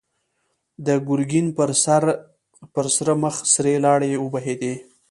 د ګرګين پر سره مخ سرې لاړې وبهېدې.